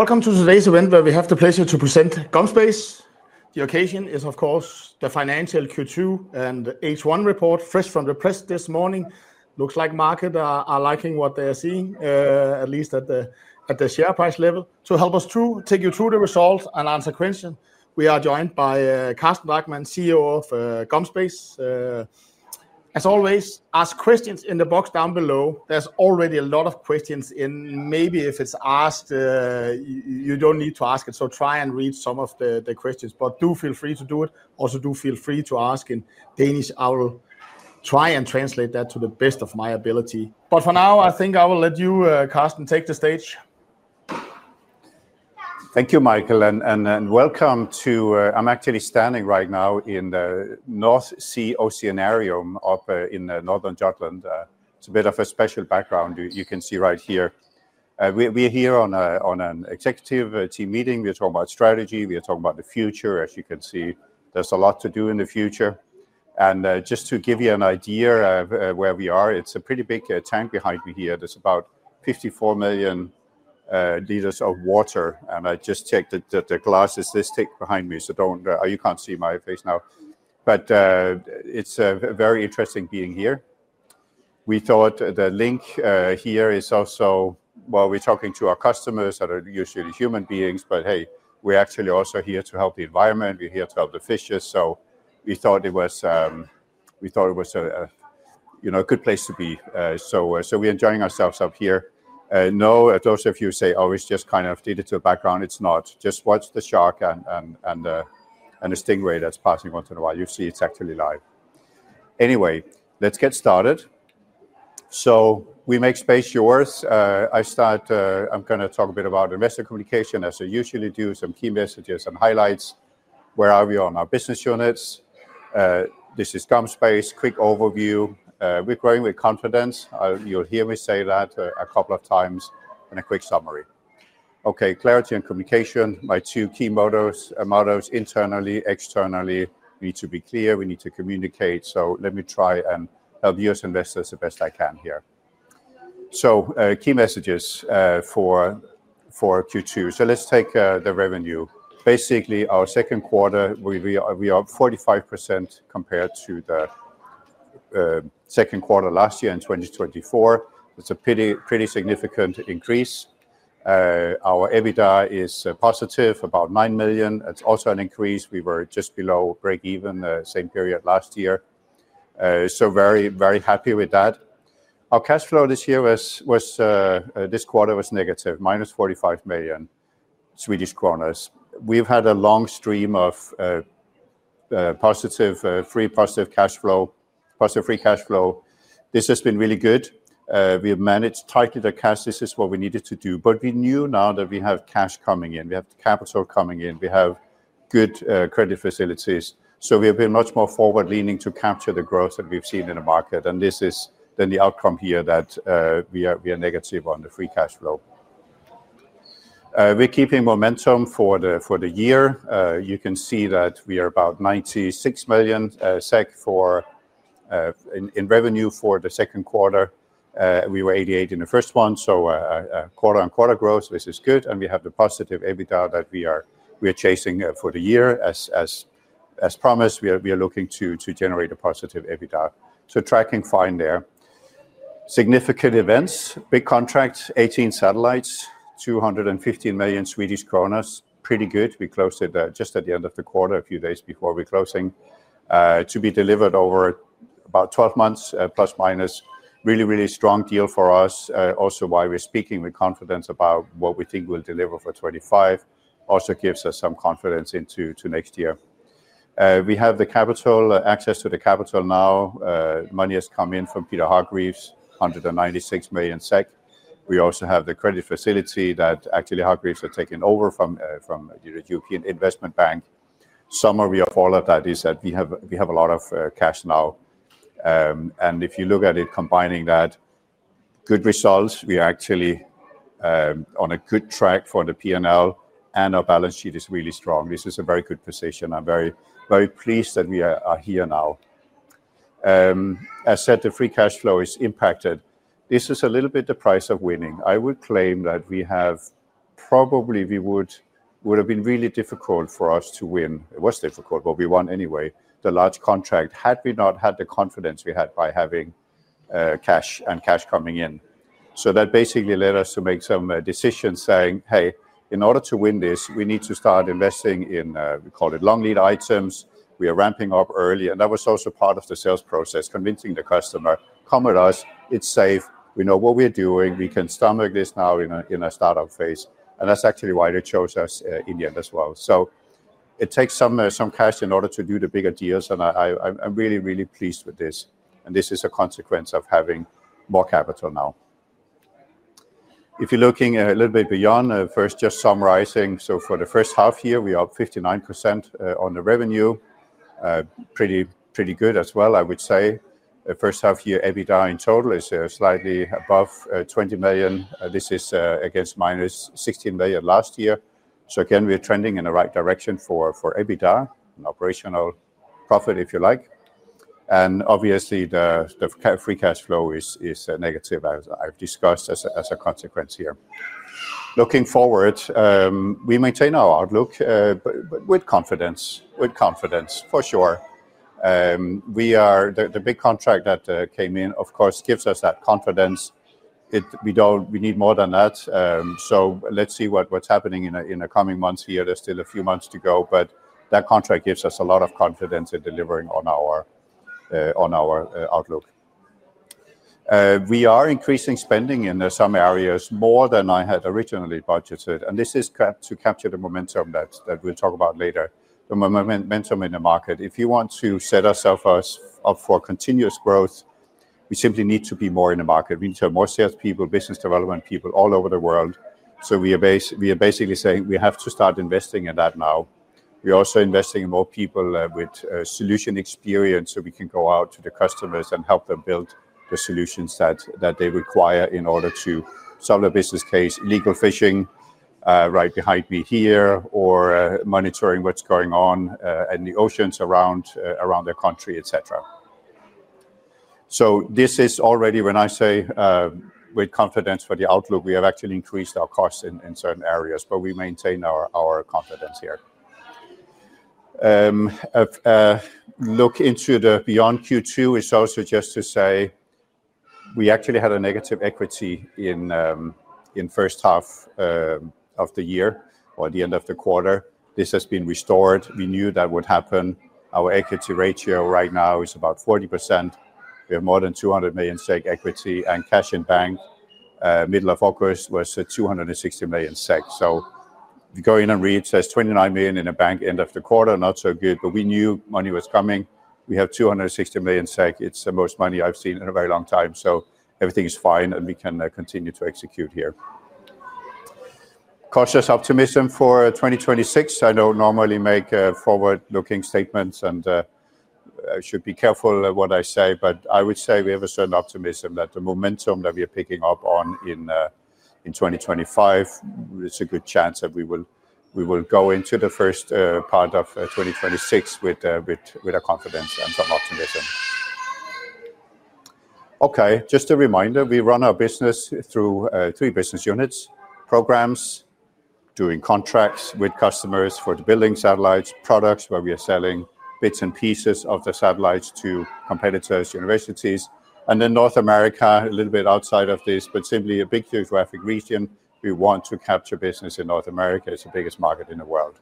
Welcome to today's event where we have the pleasure to present GomSpace. The occasion is, of course, the financial Q2 and H1 report fresh from the press this morning. Looks like the markets are liking what they are seeing, at least at the share price level. To help us take you through the results and answer questions, we are joined by Carsten Drachmann, CEO of GomSpace. As always, ask questions in the box down below. There's already a lot of questions, and maybe if it's asked, you don't need to ask it. Try and read some of the questions, but do feel free to do it. Also, do feel free to ask in Danish. I will try and translate that to the best of my ability. For now, I think I will let you, Carsten, take the stage. Thank you, Michael, and welcome to, I'm actually standing right now in the North Sea Oceanarium up in northern Jutland. It's a bit of a special background you can see right here. We're here on an executive team meeting. We're talking about strategy. We're talking about the future. As you can see, there's a lot to do in the future. Just to give you an idea of where we are, it's a pretty big tank behind me here. There's about 54 million liters of water. I just checked that the glass is this thick behind me. You can't see my face now. It's very interesting being here. We thought the link here is also, while we're talking to our customers that are usually human beings. We're actually also here to help the environment. We're here to help the fishes. We thought it was a good place to be. We're enjoying ourselves up here. I know those of you say, oh, it's just kind of a digital background. It's not. Just watch the shark and the stingray that's passing once in a while. You see it's actually live. Anyway, let's get started. We make space yours. I start, I'm going to talk a bit about investor communication as I usually do, some key messages and highlights. Where are we on our business units? This is GomSpace. Quick overview. We're growing with confidence. You'll hear me say that a couple of times in a quick summary. Okay, clarity and communication. My two key mottoes internally, externally, we need to be clear. We need to communicate. Let me try and help you as investors the best I can here. Key messages for Q2. Let's take the revenue. Basically, our second quarter, we are up 45% compared to the second quarter last year in 2024. That's a pretty significant increase. Our EBITDA is positive, about 9 million. That's also an increase. We were just below breakeven the same period last year. Very, very happy with that. Our cash flow this year was, this quarter was negative, minus 45 million Swedish kronor. We've had a long stream of positive free cash flow. This has been really good. We've managed tightly the cash. This is what we needed to do. We knew now that we have cash coming in, we have capital coming in, we have good credit facilities. We've been much more forward leaning to capture the growth that we've seen in the market. This is then the outcome here that we are negative on the free cash flow. We're keeping momentum for the year. You can see that we are about 96 million SEK in revenue for the second quarter. We were 88 million in the first one. Quarter on quarter growth, this is good. We have the positive EBITDA that we are chasing for the year. As promised, we are looking to generate a positive EBITDA, so tracking fine there. Significant events, big contracts, 18 satellites, 215 million Swedish kronor. Pretty good. We closed it just at the end of the quarter, a few days before closing. To be delivered over about 12 months, plus minus. Really, really strong deal for us. Also, why we're speaking with confidence about what we think we'll deliver for 2025. Also gives us some confidence into next year. We have the capital, access to the capital now. Money has come in from Peter Hargreaves, 196 million SEK. We also have the credit facility that actually Hargreaves has taken over from the European Investment Bank. Some of the portfolio is that we have a lot of cash now. If you look at it, combining that, good results. We are actually on a good track for the P&L and our balance sheet is really strong. This is a very good position. I'm very, very pleased that we are here now. As I said, the free cash flow is impacted. This is a little bit the price of winning. I would claim that we have probably, it would have been really difficult for us to win. It was difficult, but we won anyway. The large contract had we not had the confidence we had by having cash and cash coming in. That basically led us to make some decisions saying, hey, in order to win this, we need to start investing in, we call it long lead items. We are ramping up early. That was also part of the sales process, convincing the customer, come at us, it's safe. We know what we're doing. We can stomach this now in a startup phase. That's actually why they chose us in the end as well. It takes some cash in order to do the bigger deals. I'm really, really pleased with this. This is a consequence of having more capital now. If you're looking a little bit beyond, first just summarizing. For the first half year, we are up 59% on the revenue. Pretty, pretty good as well, I would say. The first half year EBITDA in total is slightly above 20 million. This is against minus 16 million last year. Again, we're trending in the right direction for EBITDA, an operational profit if you like. Obviously, the free cash flow is negative, as I've discussed as a consequence here. Looking forward, we maintain our outlook with confidence, with confidence for sure. The big contract that came in, of course, gives us that confidence. We don't need more than that. Let's see what's happening in the coming months here. There's still a few months to go, but that contract gives us a lot of confidence in delivering on our outlook. We are increasing spending in some areas more than I had originally budgeted. This is to capture the momentum that we'll talk about later, the momentum in the market. If you want to set ourselves up for continuous growth, we simply need to be more in the market. We need to have more salespeople, business development people all over the world. We are basically saying we have to start investing in that now. We're also investing in more people with solution experience so we can go out to the customers and help them build the solutions that they require in order to solve a business case, illegal fishing right behind me here, or monitoring what's going on in the oceans around their country, et cetera. When I say with confidence for the outlook, we have actually increased our costs in certain areas, but we maintain our confidence here. Looking beyond Q2, just to say we actually had a negative equity in the first half of the year or at the end of the quarter. This has been restored. We knew that would happen. Our equity ratio right now is about 40%. We have more than 200 million SEK equity and cash in bank. Middle of August was 260 million SEK. Go in and read, it says 29 million in the bank end of the quarter, not so good, but we knew money was coming. We have 260 million SEK. It's the most money I've seen in a very long time. Everything is fine and we can continue to execute here. Cautious optimism for 2026. I don't normally make forward-looking statements and I should be careful what I say, but I would say we have a certain optimism that the momentum that we are picking up on in 2025, it's a good chance that we will go into the first part of 2026 with our confidence and some optimism. Okay, just a reminder, we run our business through three business units: programs, doing contracts with customers for building satellites; products, where we are selling bits and pieces of the satellites to competitors, universities; and then North America, a little bit outside of this, but simply a big geographic region. We want to capture business in North America. It's the biggest market in the world.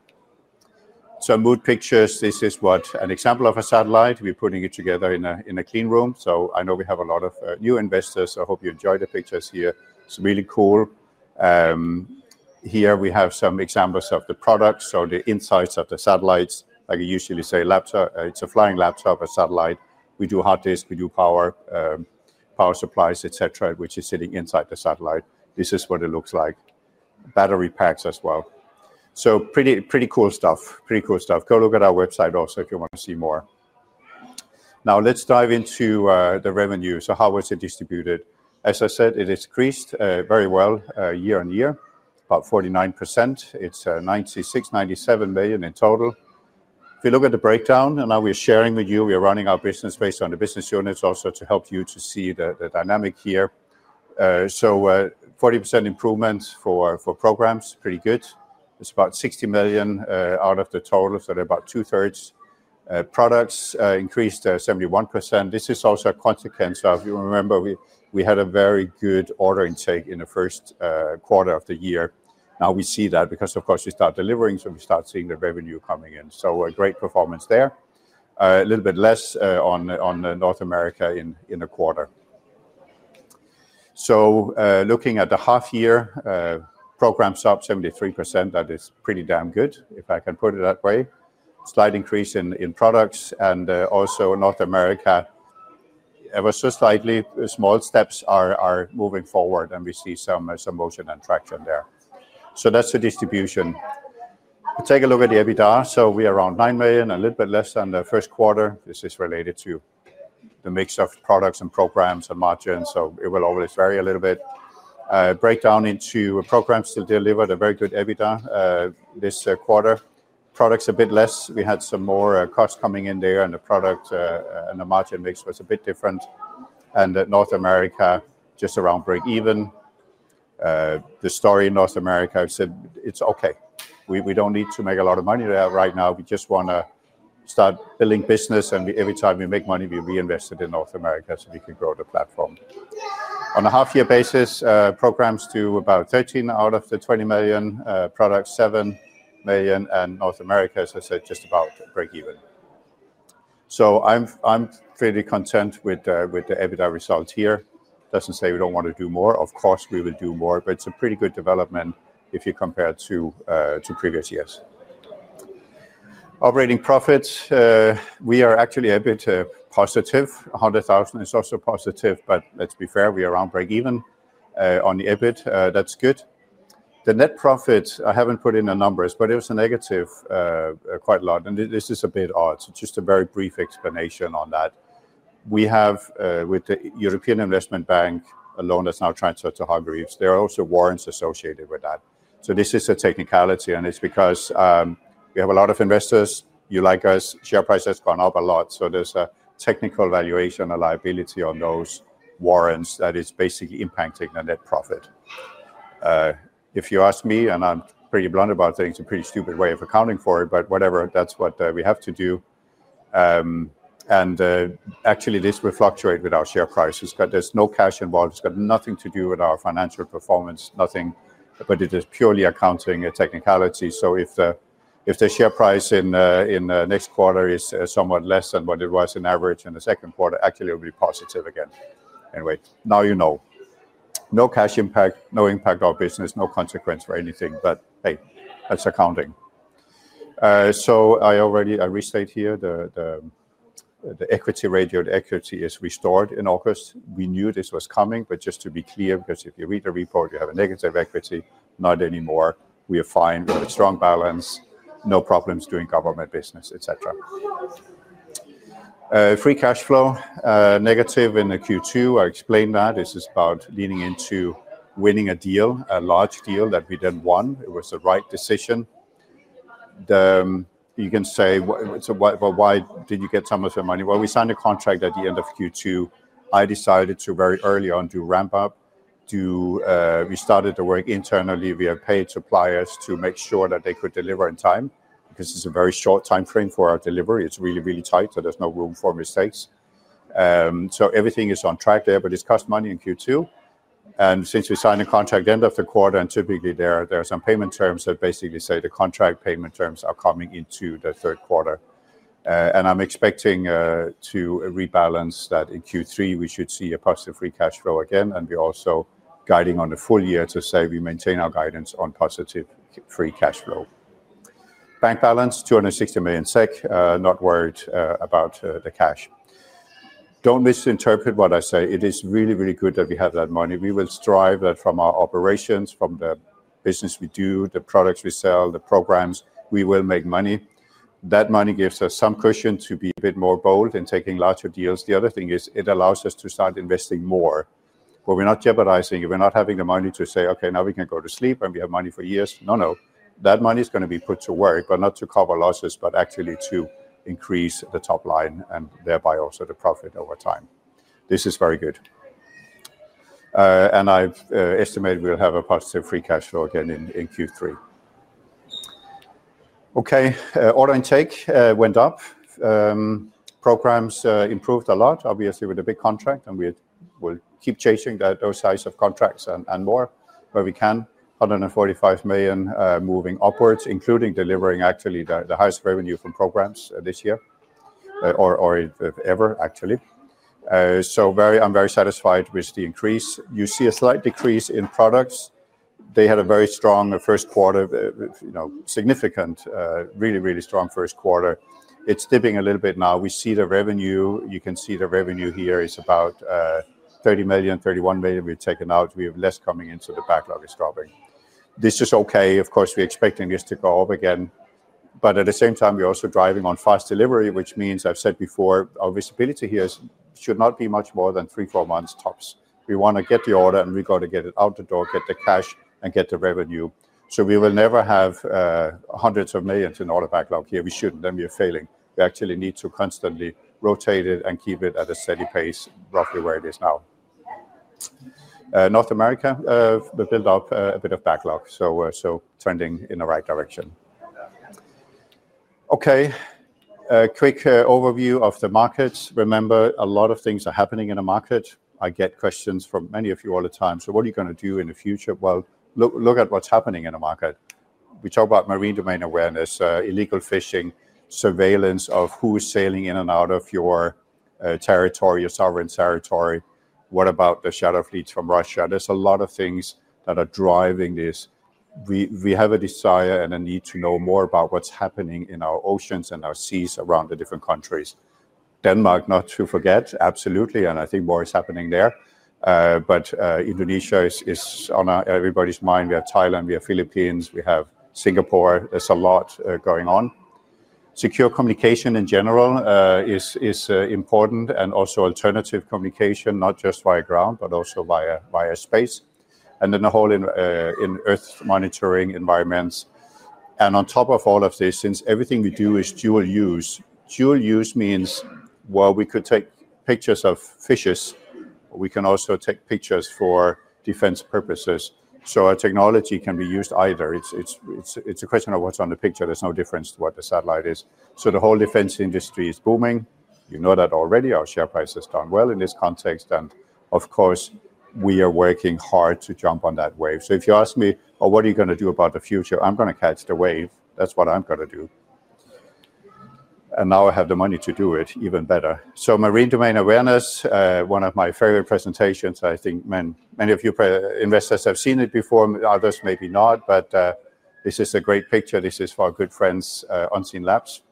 Some mood pictures. This is what an example of a satellite looks like. We're putting it together in a clean room. I know we have a lot of new investors. I hope you enjoy the pictures here. It's really cool. Here we have some examples of the products, so the insides of the satellites. Like I usually say, it's a flying laptop, a satellite. We do hard disk, we do power, power supplies, et cetera, which is sitting inside the satellite. This is what it looks like. Battery packs as well. Pretty cool stuff. Go look at our website also if you want to see more. Now let's dive into the revenue. How was it distributed? As I said, it has increased very well year on year, about 49%. It's 96 million, 97 million in total. If you look at the breakdown, and now we're sharing with you, we're running our business based on the business units also to help you to see the dynamic here. 40% improvements for programs, pretty good. It's about 60 million out of the total, so about two thirds. Products increased 71%. This is also a consequence of, you remember, we had a very good order intake in the first quarter of the year. Now we see that because, of course, we start delivering, so we start seeing the revenue coming in. A great performance there. A little bit less on North America in the quarter. Looking at the half year, programs up 73%. That is pretty damn good, if I can put it that way. Slight increase in products. Also North America, ever so slightly, small steps are moving forward, and we see some motion and traction there. That's the distribution. Take a look at the EBITDA. We are around 9 million, a little bit less than the first quarter. This is related to the mix of products and programs and margins, so it will always vary a little bit. Break down into programs to deliver the very good EBITDA this quarter. Products a bit less. We had some more costs coming in there, and the product and the margin mix was a bit different. North America, just around break even. The story in North America, I've said it's okay. We don't need to make a lot of money there right now. We just want to start building business, and every time we make money, we reinvest it in North America so we can grow the platform. On a half-year basis, programs to about 13 million out of the 20 million, products 7 million, and North America, as I said, just about break even. I'm fairly content with the EBITDA results here. Doesn't say we don't want to do more. Of course, we will do more, but it's a pretty good development if you compare to previous years. Operating profits, we are actually a bit positive. 100,000 is also positive, but let's be fair, we are around break even on the EBIT. That's good. The net profits, I haven't put in the numbers, but it was a negative quite a lot. This is a bit odd. It's just a very brief explanation on that. We have, with the European Investment Bank, a loan that's now transferred to Hargreaves. There are also warrants associated with that. This is a technicality, and it's because we have a lot of investors. You like us, share price has gone up a lot. There's a technical valuation and liability on those warrants that is basically impacting the net profit. If you ask me, and I'm pretty blunt about it, it's a pretty stupid way of accounting for it, but whatever, that's what we have to do. Actually, this will fluctuate with our share prices, but there's no cash involved. It's got nothing to do with our financial performance, nothing, but it is purely accounting and technicality. If the share price in the next quarter is somewhat less than what it was in average in the second quarter, actually, it will be positive again. Now you know. No cash impact, no impact on business, no consequence for anything, but hey, that's accounting. I already, I restate here, the equity ratio and equity is restored in August. We knew this was coming, but just to be clear, because if you read the report, you have a negative equity, not anymore. We are fine. We have a strong balance. No problems doing government business, et cetera. Free cash flow, negative in the Q2. I explained that. This is about leaning into winning a deal, a large deal that we then won. It was the right decision. You can say, so why did you get some of the money? We signed a contract at the end of Q2. I decided to very early on to ramp up. We started to work internally. We had paid suppliers to make sure that they could deliver in time because it's a very short timeframe for our delivery. It's really, really tight, so there's no room for mistakes. Everything is on track there, but it's cost money in Q2. Since we signed a contract at the end of the quarter, and typically there are some payment terms that basically say the contract payment terms are coming into the third quarter. I'm expecting to rebalance that in Q3. We should see a positive free cash flow again, and we're also guiding on the full year to say we maintain our guidance on positive free cash flow. Bank balance, 260 million SEK. Not worried about the cash. Don't misinterpret what I say. It is really, really good that we have that money. We will strive that from our operations, from the business we do, the products we sell, the programs, we will make money. That money gives us some cushion to be a bit more bold in taking larger deals. The other thing is it allows us to start investing more. We're not jeopardizing it. We're not having the money to say, okay, now we can go to sleep and we have money for years. No, no. That money is going to be put to work, but not to cover losses, but actually to increase the top line and thereby also the profit over time. This is very good. I estimate we'll have a positive free cash flow again in Q3. Order intake went up. Programs improved a lot, obviously with the big contract, and we'll keep chasing those types of contracts and more where we can. 145 million moving upwards, including delivering actually the highest revenue from programs this year, or if ever, actually. I'm very satisfied with the increase. You see a slight decrease in products. They had a very strong first quarter, significant, really, really strong first quarter. It's dipping a little bit now. We see the revenue. You can see the revenue here is about 30 million, 31 million we've taken out. We have less coming in, so the backlog is growing. This is okay. Of course, we're expecting this to go up again. At the same time, we're also driving on fast delivery, which means, I've said before, our visibility here should not be much more than three, four months tops. We want to get the order and we've got to get it out the door, get the cash and get the revenue. We will never have hundreds of millions in order backlog here. We shouldn't. Then we are failing. We actually need to constantly rotate it and keep it at a steady pace, roughly where it is now. North America, we've built up a bit of backlog. Trending in the right direction. Okay, quick overview of the markets. Remember, a lot of things are happening in the market. I get questions from many of you all the time. What are you going to do in the future? Look at what's happening in the market. We talk about marine domain awareness, illegal fishing, surveillance of who is sailing in and out of your territory, your sovereign territory. What about the shadow fleets from Russia? There's a lot of things that are driving this. We have a desire and a need to know more about what's happening in our oceans and our seas around the different countries. Denmark, not to forget, absolutely. I think more is happening there. Indonesia is on everybody's mind. We have Thailand, we have Philippines, we have Singapore. There's a lot going on. Secure communication in general is important and also alternative communication, not just via ground, but also via space. The whole in-earth monitoring environments. On top of all of this, since everything we do is dual use, dual use means we could take pictures of fishes, but we can also take pictures for defense purposes. Our technology can be used either. It's a question of what's on the picture. There's no difference to what the satellite is. The whole defense industry is booming. You know that already. Our share price has done well in this context. Of course, we are working hard to jump on that wave. If you ask me, what are you going to do about the future? I'm going to catch the wave. That's what I'm going to do. Now I have the money to do it even better. Marine domain awareness, one of my favorite presentations. I think many of you investors have seen it before, others maybe not, but this is a great picture. This is for our good friends, Unseenlabs.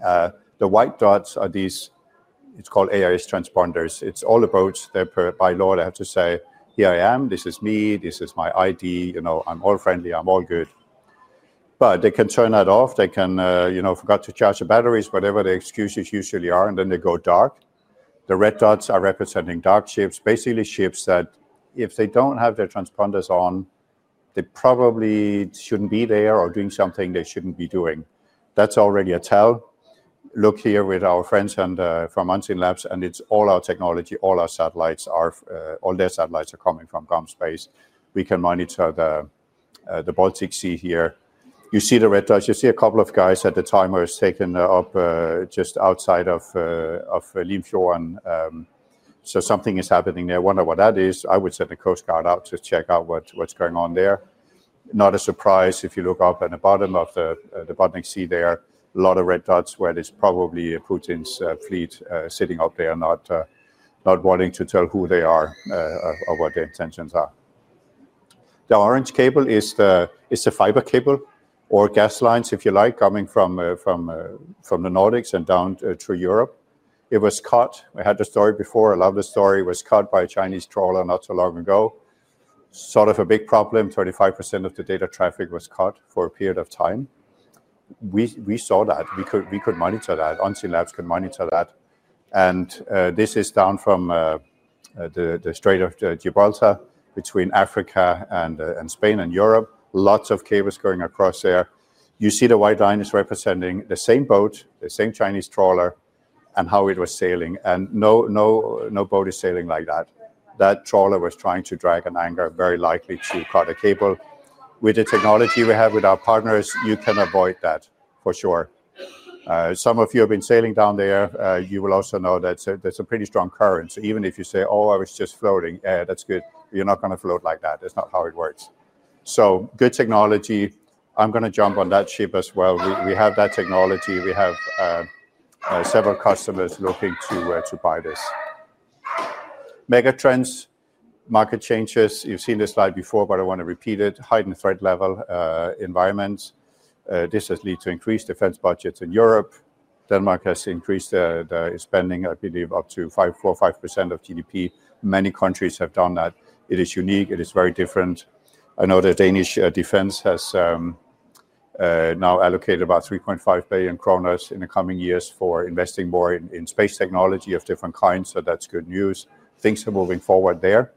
The white dots are these, it's called AIS transponders. It's all about their by-law, they have to say, here I am, this is me, this is my ID, you know, I'm all friendly, I'm all good. They can turn that off. They can, you know, forgot to charge the batteries, whatever the excuses usually are, and then they go dark. The red dots are representing dark ships, basically ships that if they don't have their transponders on, they probably shouldn't be there or doing something they shouldn't be doing. That's already a tell. Look here with our friends from Unseenlabs, and it's all our technology, all our satellites are, all their satellites are coming from GomSpace. We can monitor the Baltic Sea here. You see the red dots, you see a couple of guys at the timer is taken up just outside of Limfjorden. Something is happening there. I wonder what that is. I would send the Coast Guard out to check out what's going on there. Not a surprise if you look up at the bottom of the Baltic Sea, there are a lot of red dots where there's probably Putin's fleet sitting up there, not wanting to tell who they are or what their intentions are. The orange cable is the fiber cable or gas lines, if you like, coming from the Nordics and down through Europe. It was caught. I had the story before. I love the story. It was caught by a Chinese trawler not so long ago. Sort of a big problem. 35% of the data traffic was caught for a period of time. We saw that. We could monitor that. Unseenlabs could monitor that. This is down from the Strait of Gibraltar between Africa and Spain and Europe. Lots of cables going across there. You see the white line is representing the same boat, the same Chinese trawler, and how it was sailing. No, no, no boat is sailing like that. That trawler was trying to drag an anchor, very likely to see you caught a cable. With the technology we have with our partners, you can avoid that for sure. Some of you have been sailing down there. You will also know that there's a pretty strong current. Even if you say, oh, I was just floating, that's good. You're not going to float like that. That's not how it works. Good technology. I'm going to jump on that ship as well. We have that technology. We have several customers looking to buy this. Megatrends, market changes. You've seen this slide before, but I want to repeat it. Heightened threat level environments. This has led to increased defense budgets in Europe. Denmark has increased the spending, I believe, up to 4%-5% of GDP. Many countries have done that. It is unique. It is very different. I know that Danish defense has now allocated about 3.5 billion kronor in the coming years for investing more in space technology of different kinds. That's good news. Things are moving forward there.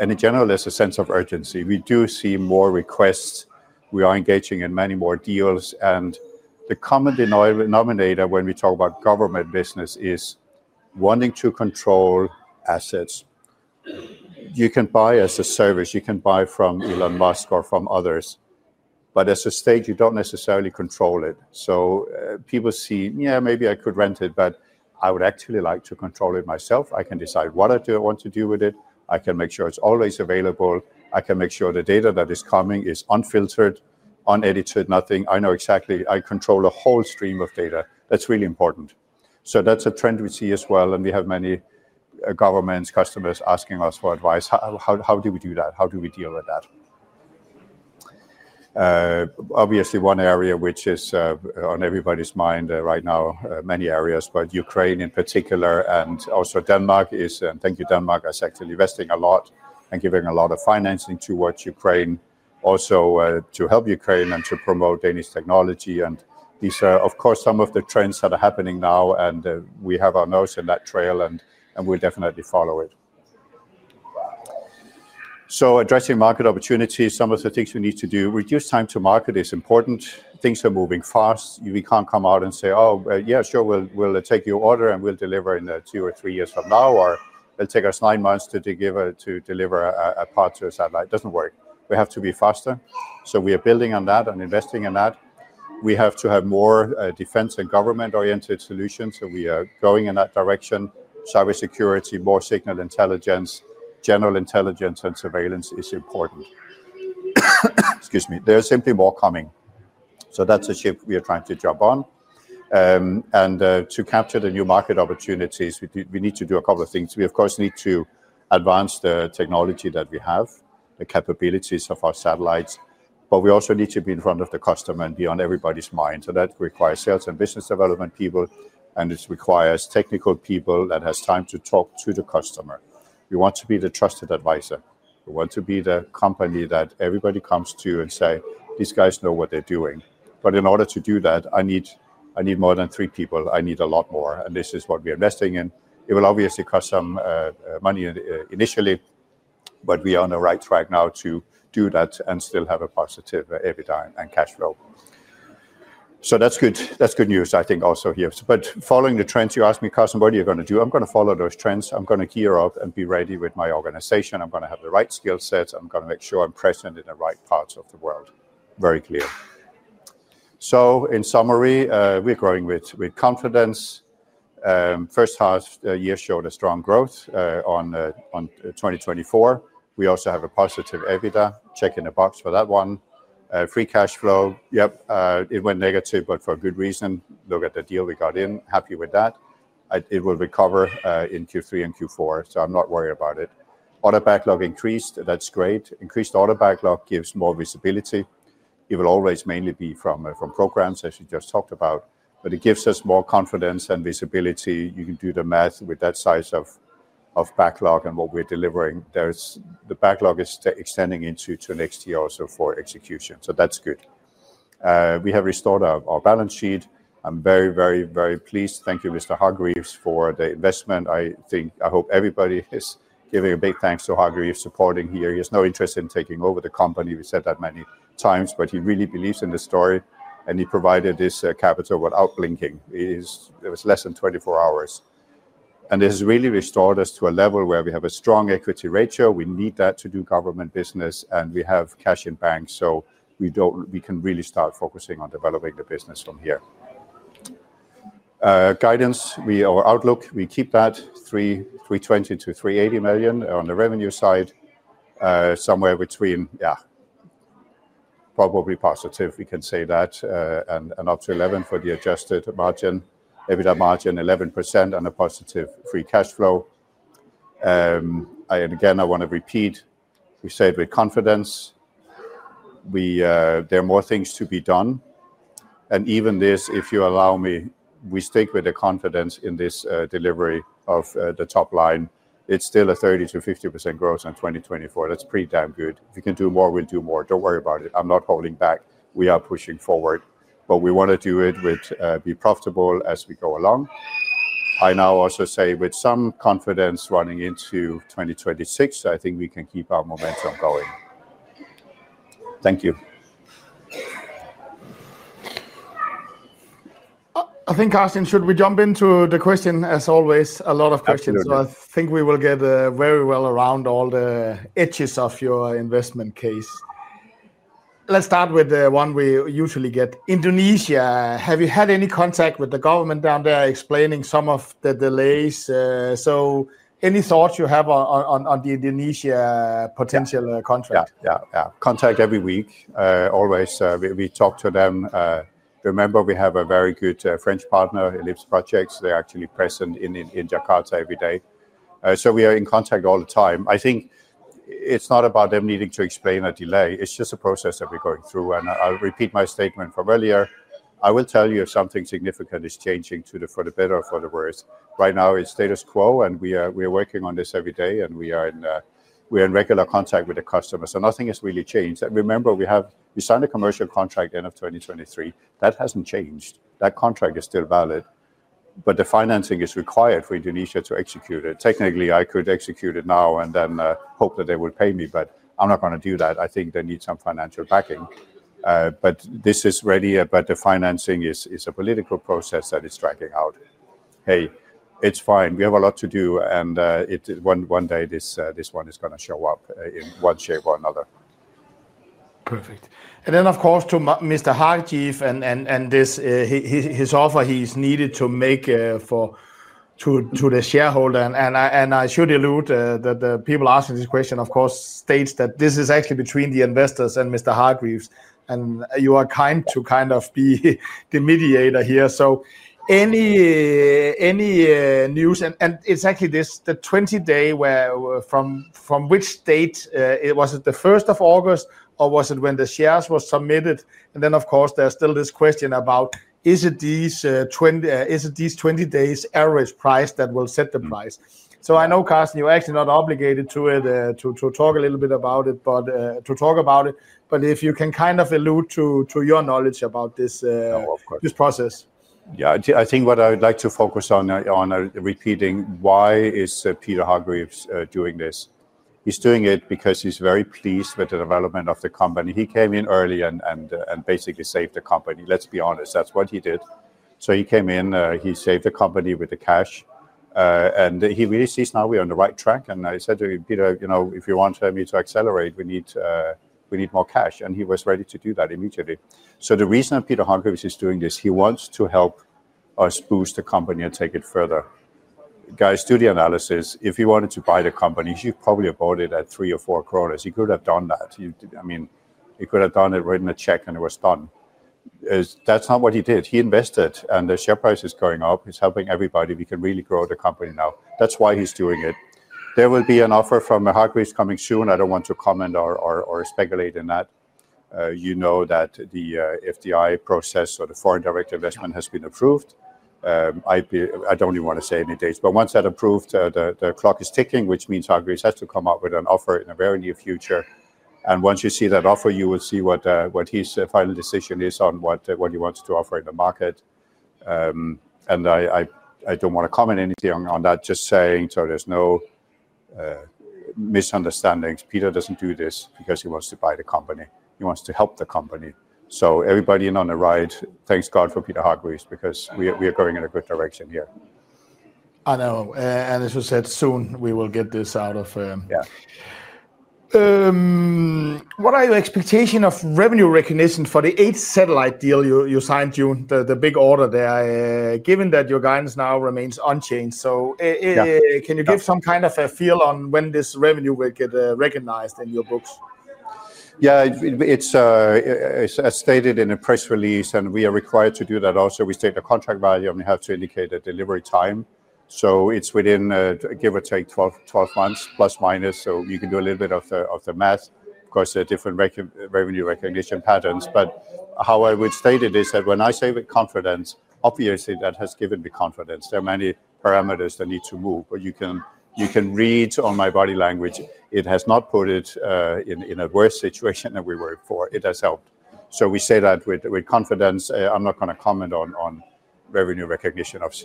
In general, there's a sense of urgency. We do see more requests. We are engaging in many more deals. The common denominator when we talk about government business is wanting to control assets. You can buy as a service. You can buy from Elon Musk or from others. As a state, you don't necessarily control it. People see, yeah, maybe I could rent it, but I would actually like to control it myself. I can decide what I want to do with it. I can make sure it's always available. I can make sure the data that is coming is unfiltered, unedited, nothing. I know exactly I control a whole stream of data. That's really important. That's a trend we see as well. We have many governments, customers asking us for advice. How do we do that? How do we deal with that? Obviously, one area which is on everybody's mind right now, many areas, but Ukraine in particular and also Denmark is, and thank you, Denmark, is actually investing a lot and giving a lot of financing towards Ukraine, also to help Ukraine and to promote Danish technology. These are, of course, some of the trends that are happening now. We have our nose in that trail, and we'll definitely follow it. Addressing market opportunities, some of the things we need to do, reduce time to market is important. Things are moving fast. We can't come out and say, oh, yeah, sure, we'll take your order and we'll deliver in two or three years from now, or it'll take us nine months to deliver a part to a satellite. It doesn't work. We have to be faster. We are building on that and investing in that. We have to have more defense and government-oriented solutions. We are going in that direction. Cybersecurity, more signal intelligence, general intelligence, and surveillance is important. Excuse me. There's simply more coming. That's a ship we are trying to jump on. To capture the new market opportunities, we need to do a couple of things. We, of course, need to advance the technology that we have, the capabilities of our satellites. We also need to be in front of the customer and be on everybody's mind. That requires sales and business development people, and it requires technical people that have time to talk to the customer. We want to be the trusted advisor. We want to be the company that everybody comes to and says, these guys know what they're doing. In order to do that, I need more than three people. I need a lot more. This is what we're investing in. It will obviously cost some money initially, but we are on the right track now to do that and still have a positive EBITDA and cash flow. That's good news, I think, also here. Following the trends, you ask me, Carsten, what are you going to do? I'm going to follow those trends. I'm going to gear up and be ready with my organization. I'm going to have the right skill sets. I'm going to make sure I'm present in the right parts of the world. Very clear. In summary, we're growing with confidence. First half year showed a strong growth on 2024. We also have a positive EBITDA. Check in the box for that one. Free cash flow. Yep. It went negative, but for a good reason. Look at the deal we got in. Happy with that. It will recover in Q3 and Q4. I'm not worried about it. Order backlog increased. That's great. Increased order backlog gives more visibility. It will always mainly be from programs, as you just talked about. It gives us more confidence and visibility. You can do the math with that size of backlog and what we're delivering. The backlog is extending into next year also for execution. That's good. We have restored our balance sheet. I'm very, very, very pleased. Thank you, Mr. Hargreaves, for the investment. I think I hope everybody is giving a big thanks to Hargreaves for supporting here. He has no interest in taking over the company. We said that many times, but he really believes in the story. He provided this capital without blinking. It was less than 24 hours. This has really restored us to a level where we have a strong equity ratio. We need that to do government business. We have cash in bank. We can really start focusing on developing the business from here. Guidance, our outlook, we keep that 320 million-380 million on the revenue side. Somewhere between, yeah, probably positive, we can say that. Up to 11% for the adjusted margin. EBITDA margin 11% and a positive free cash flow. Again, I want to repeat, we stayed with confidence. There are more things to be done. Even this, if you allow me, we stick with the confidence in this delivery of the top line. It's still a 30%-50% growth in 2024. That's pretty damn good. If you can do more, we'll do more. Don't worry about it. I'm not holding back. We are pushing forward. We want to do it with be profitable as we go along. I now also say with some confidence running into 2026, I think we can keep our momentum going. Thank you. I think, Carsten, should we jump into the question? As always, a lot of questions. I think we will get very well around all the edges of your investment case. Let's start with the one we usually get. Indonesia, have you had any contact with the government down there explaining some of the delays? Any thoughts you have on the Indonesia potential contract? Yeah, yeah, yeah. Contact every week. Always, we talk to them. Remember, we have a very good French partner, Ellipse Projects. They're actually present in Jakarta every day. We are in contact all the time. I think it's not about them needing to explain a delay. It's just a process that we're going through. I'll repeat my statement from earlier. I will tell you if something significant is changing for the better or for the worse. Right now, it's status quo, and we are working on this every day, and we are in regular contact with the customer. Nothing has really changed. Remember, we signed a commercial contract at the end of 2023. That hasn't changed. That contract is still valid. The financing is required for Indonesia to execute it. Technically, I could execute it now and then hope that they would pay me, but I'm not going to do that. I think they need some financial backing. This is ready, but the financing is a political process that is dragging out. Hey, it's fine. We have a lot to do, and one day this one is going to show up in one shape or another. Perfect. To Mr. Hargreaves and his offer, he's needed to make to the shareholder. I should allude that the people asking this question state that this is actually between the investors and Mr. Hargreaves. You are kind to be the mediator here. Any news, and exactly this, the 20-day where, from which date, was it the 1st of August, or was it when the shares were submitted? There's still this question about, is it these 20-days average price that will set the price? I know, Carsten, you're actually not obligated to talk about it, but if you can kind of allude to your knowledge about this process. Yeah, I think what I would like to focus on, on repeating, why is Peter Hargreaves doing this? He's doing it because he's very pleased with the development of the company. He came in early and basically saved the company. Let's be honest, that's what he did. He came in, he saved the company with the cash, and he really sees now we're on the right track. I said to Peter, you know, if you want me to accelerate, we need more cash. He was ready to do that immediately. The reason Peter Hargreaves is doing this, he wants to help us boost the company and take it further. Guys, do the analysis. If he wanted to buy the company, he probably bought it at 3 or 4 kronor. He could have done that. I mean, he could have done it, written a check, and it was done. That's not what he did. He invested, and the share price is going up. He's helping everybody. We can really grow the company now. That's why he's doing it. There will be an offer from Hargreaves coming soon. I don't want to comment or speculate on that. You know that the FDI process or the foreign direct investment has been approved. I don't even want to say any dates, but once that's approved, the clock is ticking, which means Hargreaves has to come up with an offer in the very near future. Once you see that offer, you will see what his final decision is on what he wants to offer in the market. I don't want to comment anything on that, just saying, so there's no misunderstandings. Peter doesn't do this because he wants to buy the company. He wants to help the company. Everybody in on the right, thanks God for Peter Hargreaves because we are going in a good direction here. I know. As you said, soon we will get this out of. Yeah. What are your expectations of revenue recognition for the eight satellite deal you signed June, the big order there, given that your guidance now remains unchanged? Can you give some kind of a feel on when this revenue will get recognized in your books? Yeah, it's as stated in a press release, and we are required to do that also. We state the contract value, and we have to indicate the delivery time. It's within, give or take, 12 months, plus minus. You can do a little bit of the math because there are different revenue recognition patterns. How I would state it is that when I say with confidence, obviously that has given me confidence. There are many parameters that need to move, but you can read on my body language. It has not put it in a worse situation than we were before. It has helped. We say that with confidence. I'm not going to comment on revenue recognition as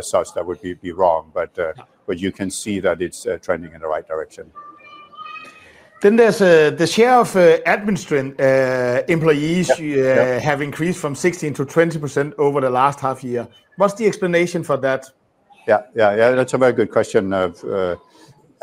such. That would be wrong. You can see that it's trending in the right direction. The share of admin strength employees has increased from 16%-20% over the last half year. What's the explanation for that? That's a very good question.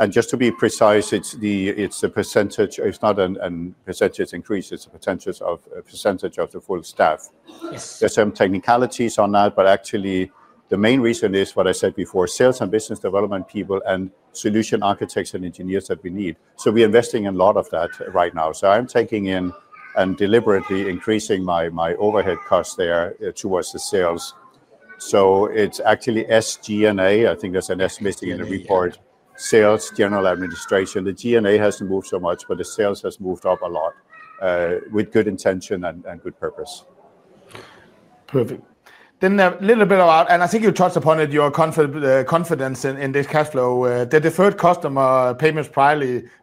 Just to be precise, it's the percentage. It's not a percentage increase. It's a percentage of the full staff. There's some technicalities on that, but actually the main reason is what I said before, sales and business development people and solution architects and engineers that we need. We're investing in a lot of that right now. I'm taking in and deliberately increasing my overhead costs there towards the sales. It's actually SG&A. I think there's an estimate in the report, sales general administration. The G&A hasn't moved so much, but the sales has moved up a lot with good intention and good purpose. Perfect. A little bit about, and I think you touched upon it, your confidence in this cash flow. The deferred customer payments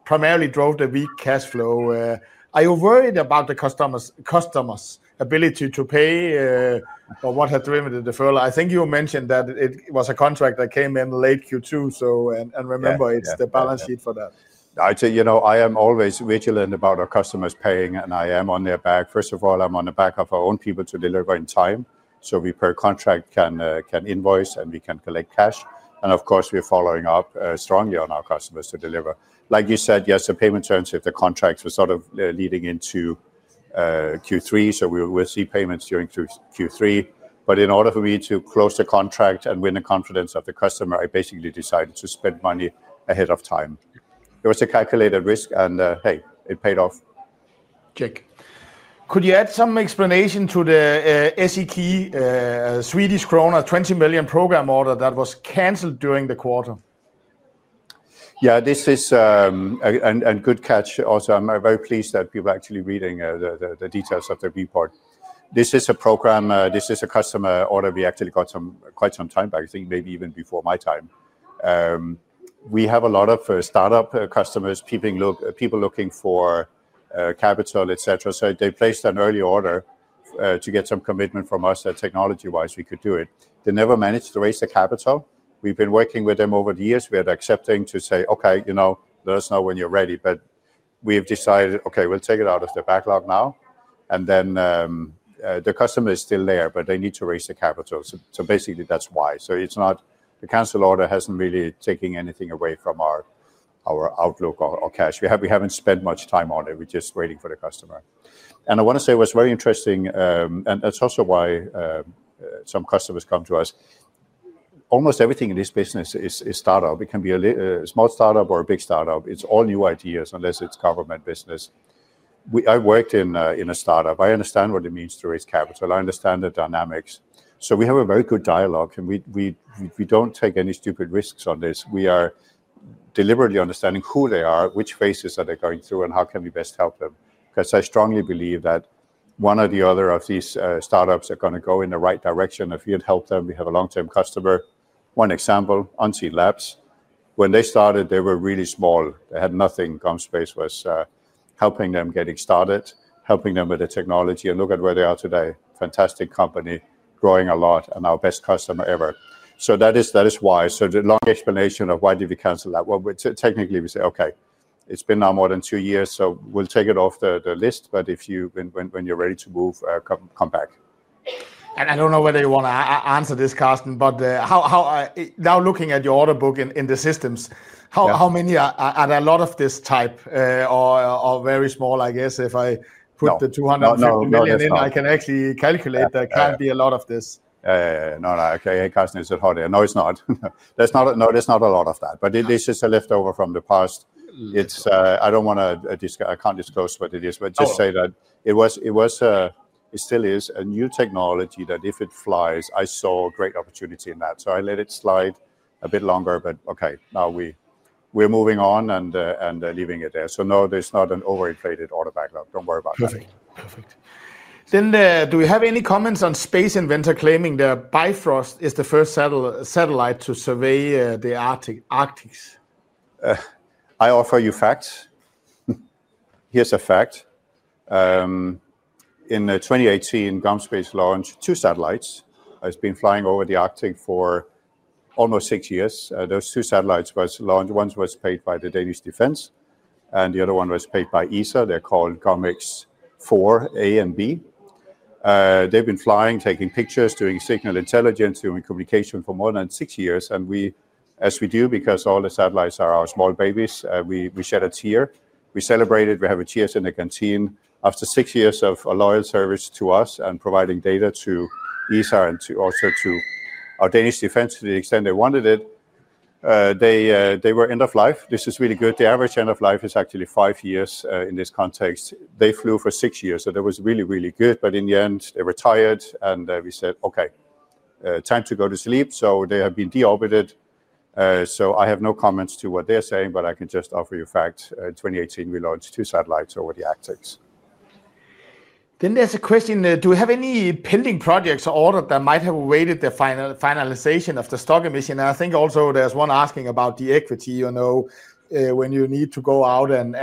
primarily drove the weak cash flow. Are you worried about the customer's ability to pay or what had driven the deferral? I think you mentioned that it was a contract that came in late Q2. Remember, it's the balance sheet for that. I'd say, you know, I am always vigilant about our customers paying, and I am on their back. First of all, I'm on the back of our own people to deliver in time, so we per contract can invoice and we can collect cash. Of course, we're following up strongly on our customers to deliver. Like you said, yes, the payment turns if the contracts were sort of leading into Q3. We will see payments during Q3. In order for me to close the contract and win the confidence of the customer, I basically decided to spend money ahead of time. It was a calculated risk, and hey, it paid off. Could you add some explanation to the Swedish krona 20 million program order that was canceled during the quarter? Yeah, this is a good catch also. I'm very pleased that we were actually reading the details of the report. This is a program, this is a customer order we actually got quite some time back, I think maybe even before my time. We have a lot of startup customers, people looking for capital, et cetera. They placed an early order to get some commitment from us that technology-wise we could do it. They never managed to raise the capital. We've been working with them over the years. We had accepted to say, okay, you know, let us know when you're ready. We've decided, okay, we'll take it out of the backlog now. The customer is still there, but they need to raise the capital. Basically, that's why. It's not the cancel order hasn't really taken anything away from our outlook or cash. We haven't spent much time on it. We're just waiting for the customer. I want to say what's very interesting, and that's also why some customers come to us. Almost everything in this business is startup. It can be a small startup or a big startup. It's all new ideas unless it's government business. I worked in a startup. I understand what it means to raise capital. I understand the dynamics. We have a very good dialogue, and we don't take any stupid risks on this. We are deliberately understanding who they are, which phases are they going through, and how can we best help them. I strongly believe that one or the other of these startups are going to go in the right direction if you help them. We have a long-term customer. One example, Unseenlabs. When they started, they were really small. They had nothing. GomSpace was helping them getting started, helping them with the technology, and look at where they are today. Fantastic company, growing a lot, and our best customer ever. That is why. The long explanation of why did we cancel that? Technically we say, okay, it's been now more than two years, so we'll take it off the list, but if you when you're ready to move, come back. I don't know whether you want to answer this, Carsten, but now looking at your order book in the systems, how many are a lot of this type or very small? I guess if I put the $250 million in, I can actually calculate that can't be a lot of this. No, okay, Carsten is at heart. No, it's not. There's not a lot of that, but this is a leftover from the past. I don't want to, I can't disclose what it is, but just say that it was, it still is a new technology that if it flies, I saw a great opportunity in that. I let it slide a bit longer, but now we're moving on and leaving it there. No, there's not an overinflated order backlog. Don't worry about it. Perfect. Do you have any comments on Space Inventor claiming that Bifrost is the first satellite to survey the Arctic? I offer you facts. Here's a fact. In 2018, GomSpace launched two satellites. It's been flying over the Arctic for almost six years. Those two satellites were launched. One was paid by the Danish Defense, and the other one was paid by the European Space Agency. They're called GomX-4A and GomX-4B. They've been flying, taking pictures, doing signal intelligence, doing communication for more than six years. We, as we do, because all the satellites are our small babies, we shed a tear. We celebrated. We have a tear in the canteen after six years of loyal service to us and providing data to the European Space Agency and also to our Danish Defense to the extent they wanted it. They were end of life. This is really good. The average end of life is actually five years in this context. They flew for six years, so that was really, really good. In the end, they retired and we said, okay, time to go to sleep. They have been deorbited. I have no comments to what they're saying, but I can just offer you a fact. In 2018, we launched two satellites over the Arctic. Do we have any pending projects or orders that might have awaited the finalization of the stock emission? I think also there's one asking about the equity. You know, when you need to go out and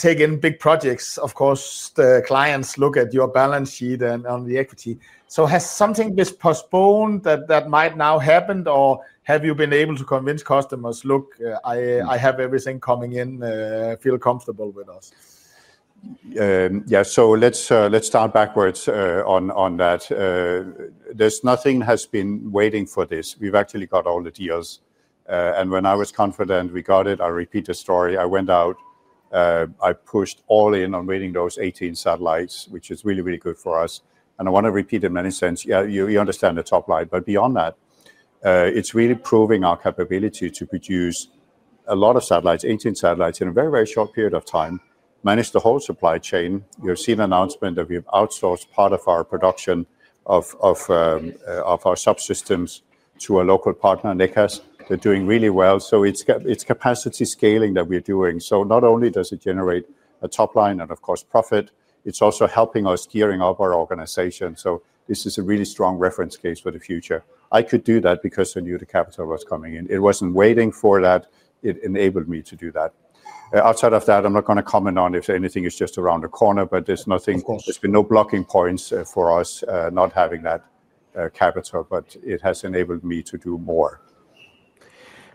take in big projects, of course, the clients look at your balance sheet and on the equity. Has something been postponed that might now happen, or have you been able to convince customers, look, I have everything coming in, feel comfortable with us? Yeah, let's start backwards on that. There's nothing that has been waiting for this. We've actually got all the deals. When I was confident we got it, I repeat the story. I went out, I pushed all in on waiting those 18 satellites, which is really, really good for us. I want to repeat it in many senses. You understand the top line, but beyond that, it's really proving our capability to produce a lot of satellites, 18 satellites, in a very, very short period of time and manage the whole supply chain. You've seen the announcement that we've outsourced part of our production of our subsystems to a local partner, Necas. They're doing really well. It's capacity scaling that we're doing. Not only does it generate a top line and, of course, profit, it's also helping us gearing up our organization. This is a really strong reference case for the future. I could do that because I knew the capital was coming in. It wasn't waiting for that. It enabled me to do that. Outside of that, I'm not going to comment on if anything is just around the corner, but there's nothing, there's been no blocking points for us not having that capital, but it has enabled me to do more.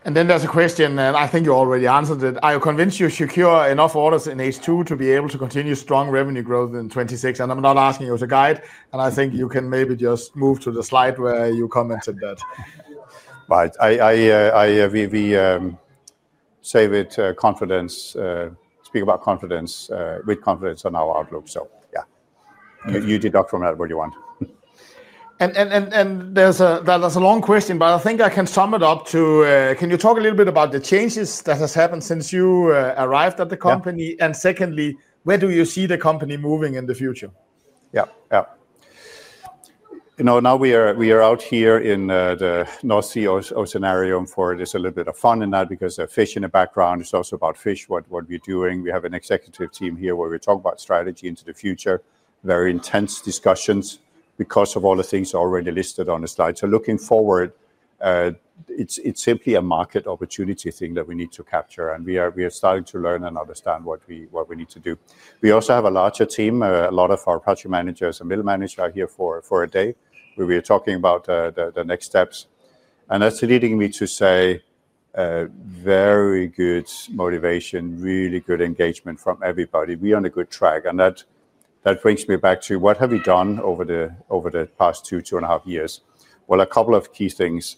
There is a question, and I think you already answered it. Are you convinced you secure enough orders in H2 to be able to continue strong revenue growth in 2026? I'm not asking you as a guide, and I think you can maybe just move to the slide where you commented that. Right. I say with confidence, speak about confidence, with confidence on our outlook. You deduct from that what you want. That's a long question, but I think I can sum it up to, can you talk a little bit about the changes that have happened since you arrived at the company? Secondly, where do you see the company moving in the future? Yeah, yeah. You know, now we are out here in the North Sea Oceanarium for just a little bit of fun in that because there are fish in the background. It's also about fish, what we're doing. We have an executive team here where we talk about strategy into the future, very intense discussions because of all the things already listed on the slide. Looking forward, it's simply a market opportunity thing that we need to capture. We are starting to learn and understand what we need to do. We also have a larger team. A lot of our project managers and middle managers are here for a day where we are talking about the next steps. That's leading me to say very good motivation, really good engagement from everybody. We are on a good track. That brings me back to what have we done over the past two, two and a half years. A couple of key things.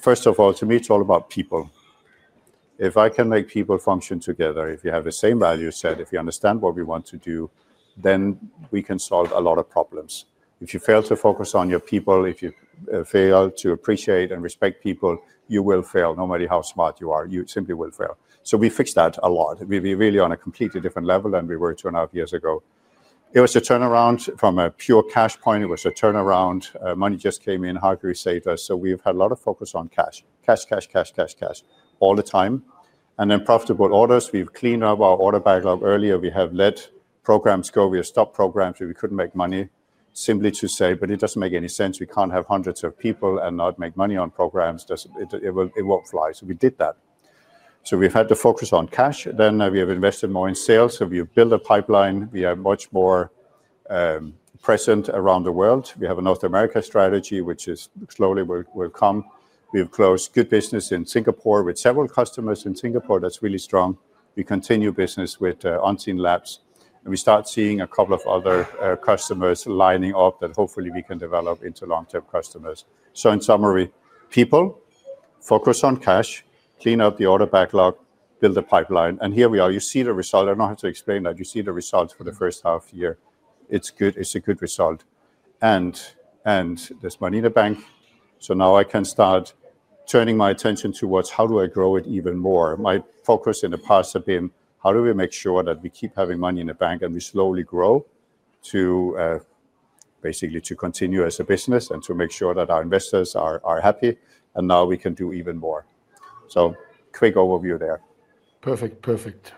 First of all, to me, it's all about people. If I can make people function together, if you have the same value set, if you understand what we want to do, then we can solve a lot of problems. If you fail to focus on your people, if you fail to appreciate and respect people, you will fail, no matter how smart you are. You simply will fail. We fixed that a lot. We're really on a completely different level than we were two and a half years ago. It was a turnaround from a pure cash point. It was a turnaround. Money just came in. How can we save us? We've had a lot of focus on cash. Cash, cash, cash, cash, cash all the time. Then profitable orders. We've cleaned up our order backlog earlier. We have let programs go. We have stopped programs where we couldn't make money, simply to say, but it doesn't make any sense. We can't have hundreds of people and not make money on programs. It won't fly. We did that. We've had to focus on cash. We have invested more in sales. We've built a pipeline. We are much more present around the world. We have a North America strategy, which slowly will come. We've closed good business in Singapore with several customers in Singapore. That's really strong. We continue business with Unseenlabs. We start seeing a couple of other customers lining up that hopefully we can develop into long-term customers. In summary, people, focus on cash, clean up the order backlog, build the pipeline. Here we are. You see the result. I don't have to explain that. You see the results for the first half year. It's good. It's a good result. There's money in the bank. Now I can start turning my attention towards how do I grow it even more. My focus in the past has been how do we make sure that we keep having money in the bank and we slowly grow to basically continue as a business to make sure that our investors are happy. Now we can do even more. Quick overview there. Perfect, perfect.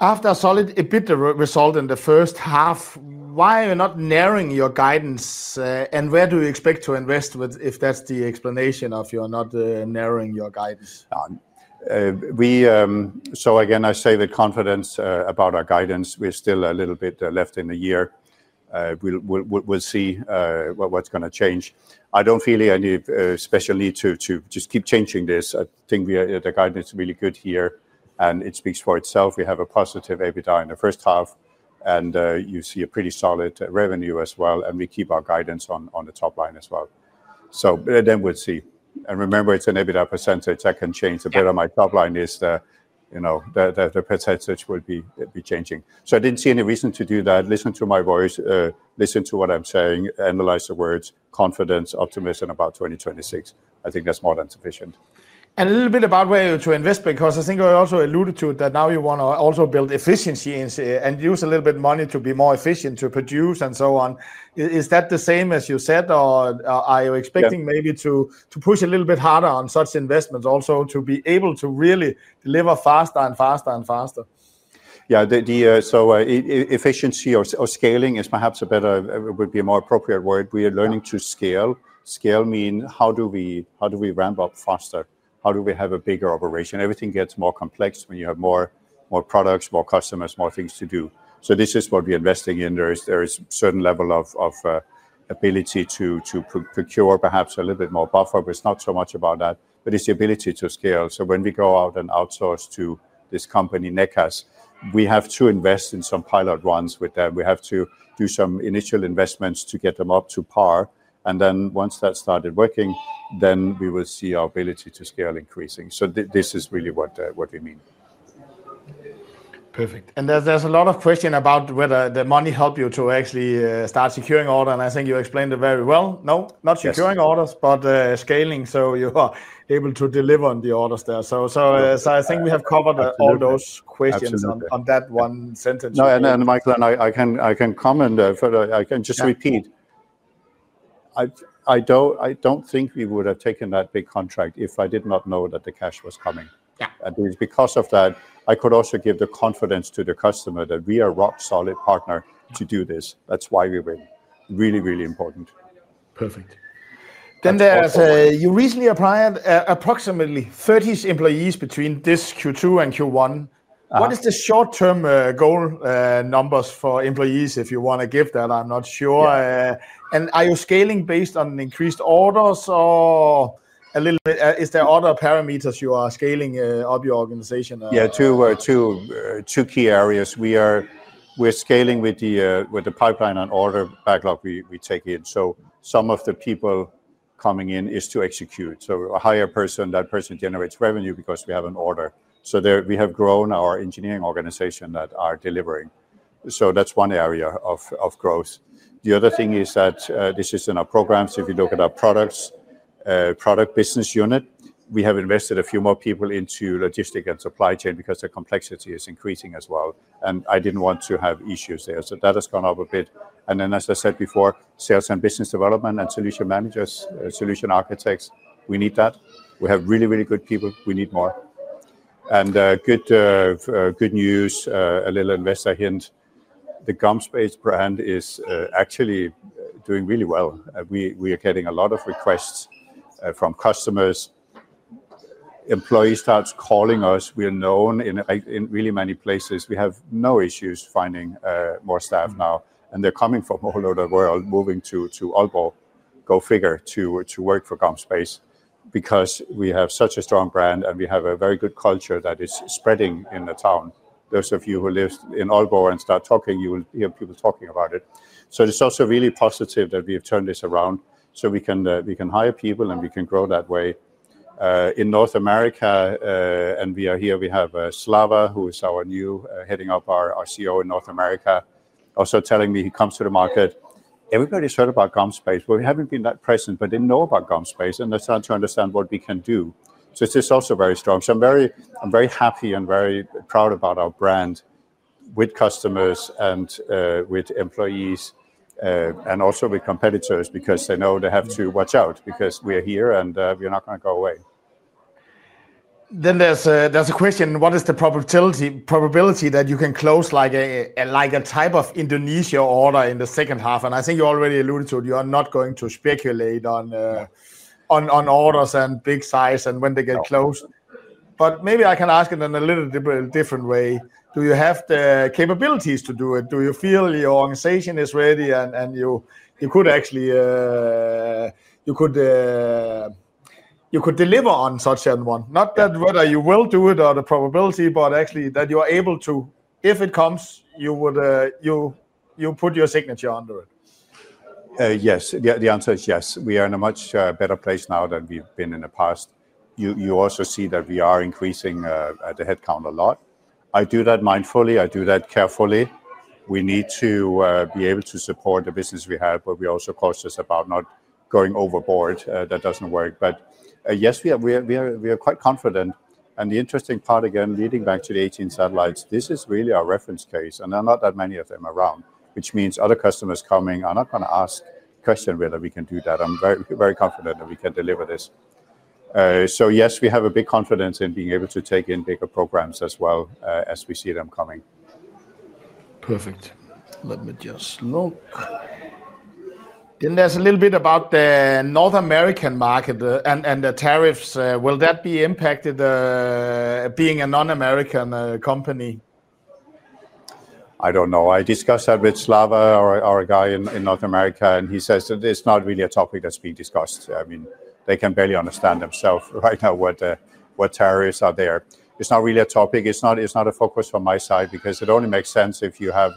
After a solid EBITDA result in the first half, why are you not narrowing your guidance, and where do you expect to invest if that's the explanation of your not narrowing your guidance? I say with confidence about our guidance, we're still a little bit left in the year. We'll see what's going to change. I don't feel any special need to just keep changing this. I think the guidance is really good here and it speaks for itself. We have a positive EBITDA in the first half and you see a pretty solid revenue as well and we keep our guidance on the top line as well. We'll see. Remember, it's an EBITDA percentage that can change. The better my top line is, you know, the % will be changing. I didn't see any reason to do that. Listen to my voice, listen to what I'm saying, analyze the words, confidence, optimism about 2026. I think that's more than sufficient. A little bit about where you're to invest? I think I also alluded to that. Now you want to also build efficiency and use a little bit of money to be more efficient to produce and so on. Is that the same as you said, or are you expecting maybe to push a little bit harder on such investments also to be able to really deliver faster and faster and faster? Yeah, the efficiency or scaling is perhaps a better, would be a more appropriate word. We are learning to scale. Scale means how do we ramp up faster? How do we have a bigger operation? Everything gets more complex when you have more products, more customers, more things to do. This is what we're investing in. There is a certain level of ability to procure perhaps a little bit more buffer, but it's not so much about that. It's the ability to scale. When we go out and outsource to this company, Necas, we have to invest in some pilot runs with them. We have to do some initial investments to get them up to par. Once that started working, we will see our ability to scale increasing. This is really what we mean. Perfect. There are a lot of questions about whether the money helps you to actually start securing orders. I think you explained it very well. No, not securing orders, but scaling. You are able to deliver on the orders there. I think we have covered all those questions on that one sentence. No, Michael, I can comment further. I can just repeat. I don't think we would have taken that big contract if I did not know that the cash was coming. Because of that, I could also give the confidence to the customer that we are a rock solid partner to do this. That's why we win. Really, really important. Perfect. You recently applied approximately 30 employees between this Q2 and Q1. What is the short-term goal numbers for employees if you want to give that? I'm not sure. Are you scaling based on increased orders or a little bit? Is there other parameters you are scaling up your organization? Yeah, two key areas. We are scaling with the pipeline and order backlog we take in. Some of the people coming in is to execute. So a higher person, that person generates revenue because we have an order. We have grown our engineering organization that are delivering. That's one area of growth. The other thing is that this is in our programs. If you look at our products, product business unit, we have invested a few more people into logistics and supply chain because the complexity is increasing as well. I didn't want to have issues there. That has gone up a bit. As I said before, sales and business development and Solution Managers, Solution Architects, we need that. We have really, really good people. We need more. Good news, a little investor hint, the GomSpace brand is actually doing really well. We are getting a lot of requests from customers. Employees start calling us. We're known in really many places. We have no issues finding more staff now. They're coming from all over the world, moving to Aalborg. Go figure to work for GomSpace because we have such a strong brand and we have a very good culture that is spreading in the town. Those of you who live in Aalborg and start talking, you will hear people talking about it. It's also really positive that we have turned this around. We can hire people and we can grow that way. In North America, and we are here, we have Slava, who is our new heading up our CEO in North America, also telling me he comes to the market. Everybody's heard about GomSpace. We haven't been that present, but they know about GomSpace and they start to understand what we can do. It's also very strong. I'm very happy and very proud about our brand with customers and with employees and also with competitors because they know they have to watch out because we're here and we're not going to go away. What is the probability that you can close like a type of Indonesia order in the second half? I think you already alluded to it. You are not going to speculate on orders and big size and when they get closed. Maybe I can ask it in a little bit different way. Do you have the capabilities to do it? Do you feel your organization is ready and you could actually, you could deliver on such a one? Not that whether you will do it or the probability, but actually that you are able to, if it comes, you would, you put your signature under it. Yes, the answer is yes. We are in a much better place now than we've been in the past. You also see that we are increasing the headcount a lot. I do that mindfully. I do that carefully. We need to be able to support the business we have, but we are also cautious about not going overboard. That doesn't work. Yes, we are quite confident. The interesting part, again, leading back to the 18 satellites, this is really our reference case. There are not that many of them around, which means other customers coming are not going to ask questions whether we can do that. I'm very, very confident that we can deliver this. Yes, we have a big confidence in being able to take in bigger programs as well as we see them coming. Perfect. Let me just look. There's a little bit about the North American market and the tariffs. Will that be impacted being a non-American company? I don't know. I discussed that with Slava, our guy in North America, and he says that it's not really a topic that's being discussed. I mean, they can barely understand themselves right now what tariffs are there. It's not really a topic. It's not a focus from my side because it only makes sense if you have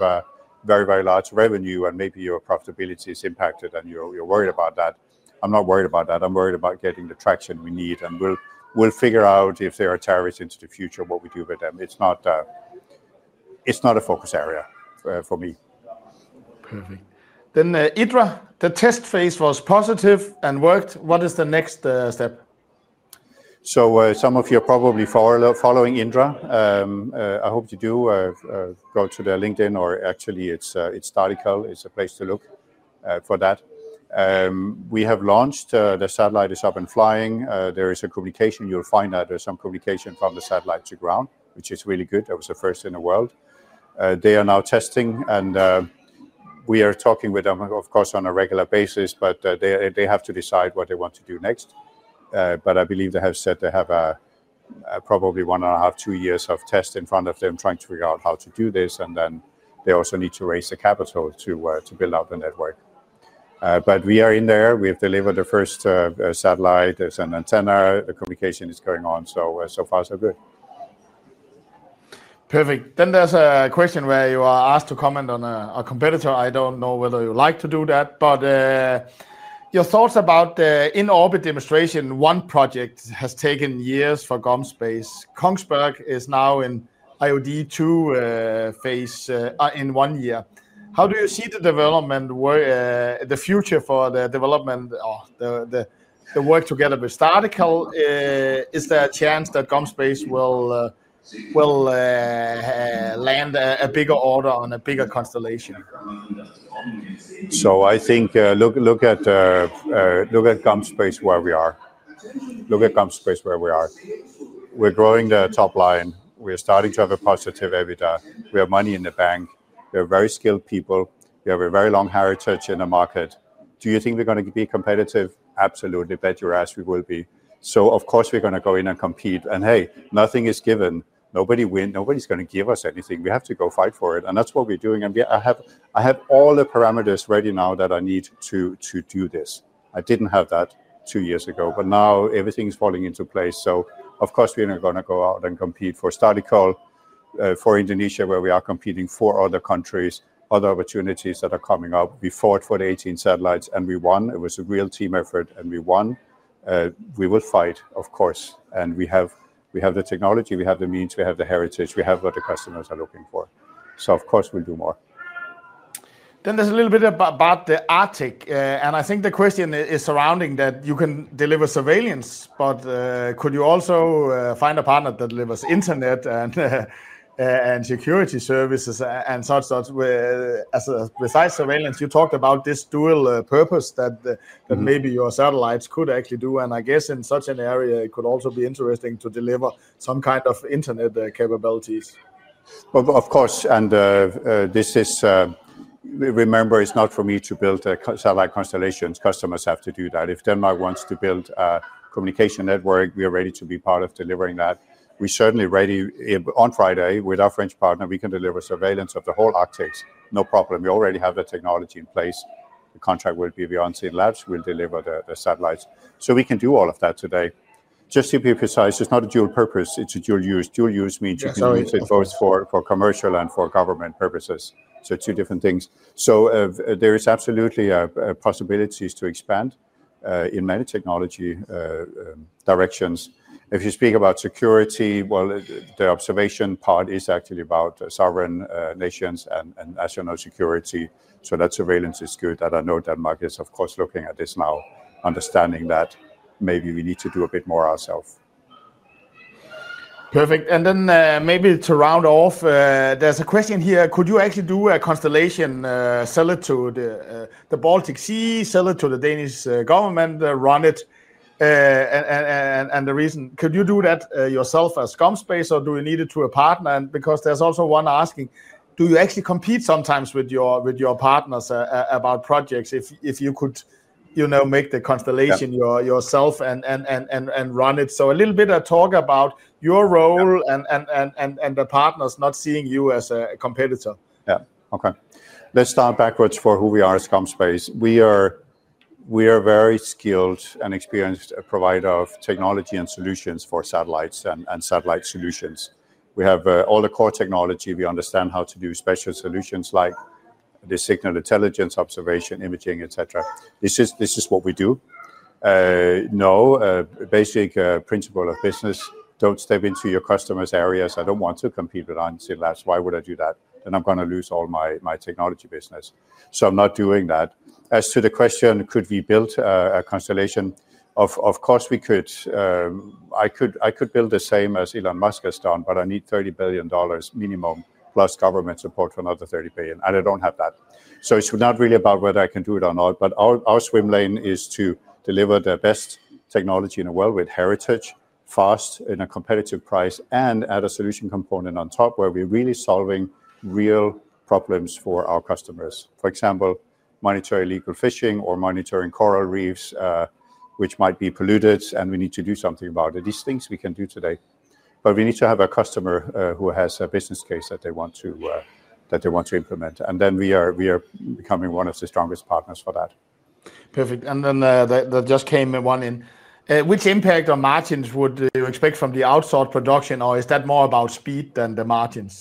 a very, very large revenue and maybe your profitability is impacted and you're worried about that. I'm not worried about that. I'm worried about getting the traction we need and we'll figure out if there are tariffs into the future, what we do with them. It's not a focus area for me. Indra, the test phase was positive and worked. What is the next step? Some of you are probably following Indra. I hope you do go to their LinkedIn or actually it's article. It's a place to look for that. We have launched. The satellite is up and flying. There is a communication. You'll find that there's some communication from the satellite to ground, which is really good. That was the first in the world. They are now testing and we are talking with them, of course, on a regular basis. They have to decide what they want to do next. I believe they have said they have probably one and a half, two years of tests in front of them trying to figure out how to do this. They also need to raise the capital to build out the network. We are in there. We've delivered the first satellite. There's an antenna. Communication is going on. So far, so good. Perfect. There is a question where you are asked to comment on a competitor. I don't know whether you like to do that, but your thoughts about the in-orbit demonstration. One project has taken years for GomSpace. Kongsberg is now in IOD-2 phase in one year. How do you see the development, the future for the development, the work together with Darticle? Is there a chance that GomSpace will land a bigger order on a bigger constellation? I think look at GomSpace where we are. We're growing the top line. We're starting to have a positive EBITDA. We have money in the bank. We have very skilled people. We have a very long heritage in the market. Do you think we're going to be competitive? Absolutely. Bet your ass we will be. Of course we're going to go in and compete. Nothing is given. Nobody wins. Nobody's going to give us anything. We have to go fight for it. That's what we're doing. I have all the parameters ready now that I need to do this. I didn't have that two years ago, but now everything's falling into place. Of course we're not going to go out and compete for Indonesia, where we are competing for other countries, other opportunities that are coming up. We fought for the 18 satellites and we won. It was a real team effort and we won. We will fight, of course. We have the technology, we have the means, we have the heritage, we have what the customers are looking for. Of course we'll do more. There is a little bit about the Arctic. I think the question is surrounding that you can deliver surveillance, but could you also find a partner that delivers internet and security services and such? Besides surveillance, you talked about this dual purpose that maybe your satellites could actually do. I guess in such an area, it could also be interesting to deliver some kind of internet capabilities. Of course. This is, remember, it's not for me to build satellite constellations. Customers have to do that. If Denmark wants to build a communication network, we are ready to be part of delivering that. We're certainly ready on Friday with our French partner. We can deliver surveillance of the whole Arctic. No problem. We already have the technology in place. The contract will be beyond Unseenlabs. We'll deliver the satellites. We can do all of that today. Just to be precise, it's not a dual purpose. It's a dual use. Dual use means you can use it both for commercial and for government purposes. Two different things. There are absolutely possibilities to expand in many technology directions. If you speak about security, the observation part is actually about sovereign nations and national security. That surveillance is good. I know Denmark is, of course, looking at this now, understanding that maybe we need to do a bit more ourselves. Perfect. Maybe to round off, there's a question here. Could you actually do a constellation, sell it to the Baltic Sea, sell it to the Danish government, run it? The reason, could you do that yourself as GomSpace or do you need a partner? There's also one asking, do you actually compete sometimes with your partners about projects if you could, you know, make the constellation yourself and run it? A little bit of talk about your role and the partners not seeing you as a competitor. Yeah, okay. Let's start backwards for who we are as GomSpace. We are a very skilled and experienced provider of technology and solutions for satellites and satellite solutions. We have all the core technology. We understand how to do special solutions like the signal intelligence, observation, imaging, et cetera. This is what we do. No, basic principle of business, don't step into your customers' areas. I don't want to compete with Unseenlabs. Why would I do that? I'm going to lose all my technology business. I'm not doing that. As to the question, could we build a constellation? Of course we could. I could build the same as Elon Musk has done, but I need $30 billion minimum plus government support for another $30 billion. I don't have that. It's not really about whether I can do it or not, but our swim lane is to deliver the best technology in the world with heritage, fast, in a competitive price, and add a solution component on top where we're really solving real problems for our customers. For example, monitoring illegal fishing or monitoring coral reefs, which might be polluted, and we need to do something about it. These things we can do today. We need to have a customer who has a business case that they want to implement. We are becoming one of the strongest partners for that. Perfect. There just came one in. Which impact on margins would you expect from the outsourced production, or is that more about speed than the margins?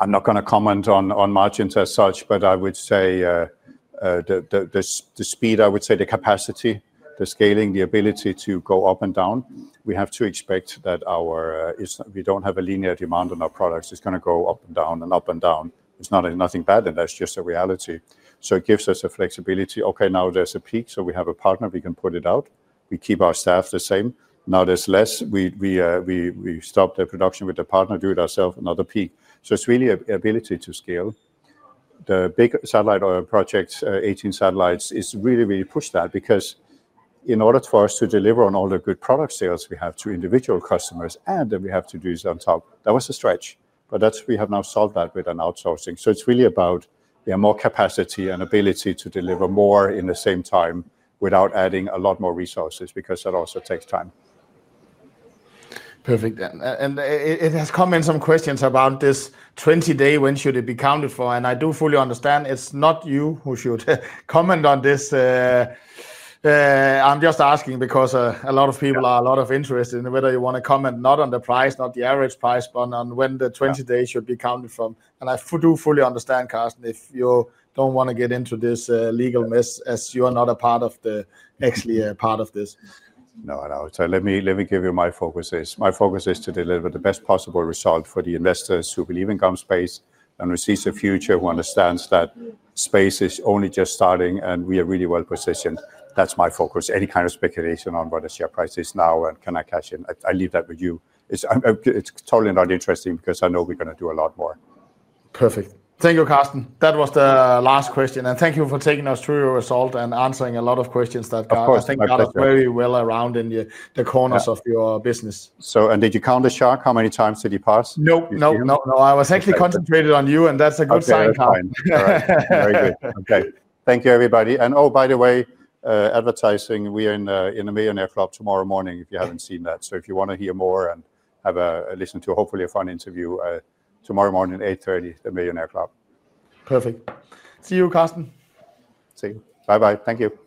I'm not going to comment on margins as such, but I would say the speed, the capacity, the scaling, the ability to go up and down. We have to expect that we don't have a linear demand on our products. It's going to go up and down and up and down. It's not anything bad, that's just a reality. It gives us flexibility. Now there's a peak, so we have a partner. We can put it out. We keep our staff the same. Now there's less, we stop the production with the partner, do it ourselves, another peak. It's really an ability to scale. The big satellite oil projects, 18 satellites, really, really pushed that because in order for us to deliver on all the good product sales we have to individual customers, and then we have to do this on top. That was a stret ceterah, but we have now solved that with outsourcing. It's really about having more capacity and ability to deliver more in the same time without adding a lot more resources because that also takes time. Perfect. It has come in some questions about this 20-day. When should it be accounted for? I do fully understand it's not you who should comment on this. I'm just asking because a lot of people are a lot of interest in whether you want to comment not on the price, not the average price, but on when the 20 days should be accounted for. I do fully understand, Carsten, if you don't want to get into this legal mess as you are not actually a part of this. No, I don't. Let me give you my focus. My focus is to deliver the best possible result for the investors who believe in GomSpace and who see the future, who understand that space is only just starting and we are really well positioned. That's my focus. Any kind of speculation on what the share price is now and can I cash in, I leave that with you. It's totally not interesting because I know we're going to do a lot more. Perfect. Thank you, Carsten. That was the last question. Thank you for taking us through your result and answering a lot of questions that I think are very well around in the corners of your business. Did you count the shark? How many times did he pass? I was actually concentrated on you, and that's a good sign. Very good. Okay. Thank you, everybody. By the way, advertising, we're in a millionaire club tomorrow morning if you haven't seen that. If you want to hear more and have a listen to hopefully a fun interview tomorrow morning at 8:30 A.M., The Millionaire Club. Perfect. See you, Carsten. See you. Bye-bye. Thank you.